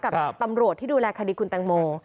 กับตำรวจที่ดูแลคดีคุณแตงโม